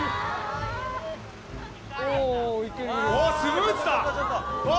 スムーズだ！